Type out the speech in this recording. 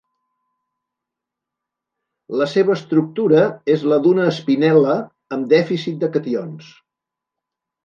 La seva estructura és la d'una espinel·la amb dèficit de cations.